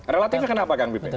relatifnya kenapa kang pipin